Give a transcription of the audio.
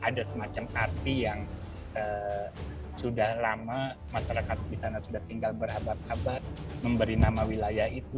ada semacam arti yang sudah lama masyarakat di sana sudah tinggal berabad abad memberi nama wilayah itu